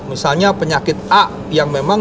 misalnya penyakit a yang memang